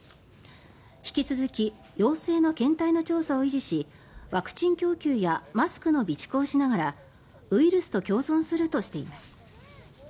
引き続き陽性の検体の調査を維持しワクチン供給やマスクの備蓄をしながらウイルスと共存するとしています。